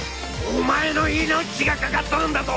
お前の命が懸かっとるんだぞ！